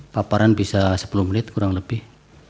paparan bisa sepuluh menit kurang lebih